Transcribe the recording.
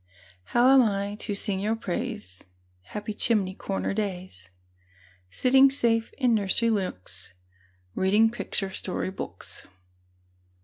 How am I to sing your praise, Happy chimney corner days, Sitting safe in nursery nooks, Reading picture story books?